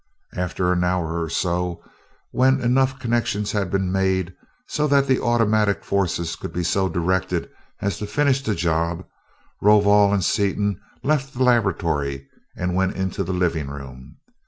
After an hour or so, when enough connections had been made so that automatic forces could be so directed as to finish the job, Rovol and Seaton left the laboratory and went into the living room.